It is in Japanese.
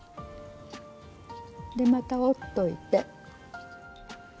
でまた折っといて。